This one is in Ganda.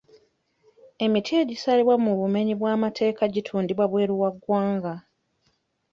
Emiti egisalibwa mu bumenyi bw'amateeka gitundibwa bweru wa ggwanga.